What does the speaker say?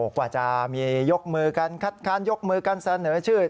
กว่าจะมียกมือกันคัดค้านยกมือกันเสนอชื่อ